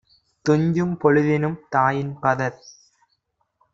துஞ்சும் பொழுதினும் தாயின் - பதத்